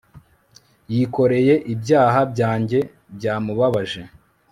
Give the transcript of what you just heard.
yikoreye ibyaha byanjye byamubabaje